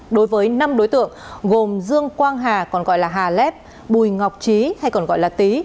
đối với năm đối tượng gồm dương quang hà còn gọi là hà lép bùi ngọc trí hay còn gọi là tý